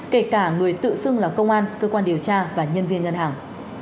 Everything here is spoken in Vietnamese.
kể cả người tự xưng là công an cơ quan điều tra và nhân viên ngân hàng